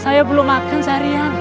saya belum makan seharian